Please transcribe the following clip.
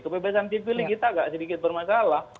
kebebasan civil kita gak sedikit bermasalah